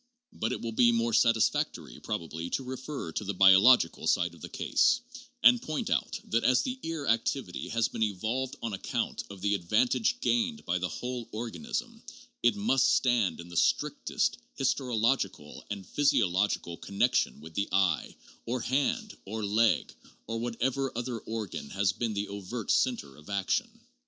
But it will be more satisfactory, probably, to refer to the biological side of the case, and point out that as the ear activity has been evolved on account of the advantage gained by the whole organism, it must stand in the strictest histological and physiological connection with the eye, or hand, or leg, or what ever other organ has been the overt center of action.